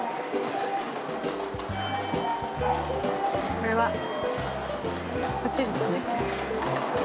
これは、こっちですね。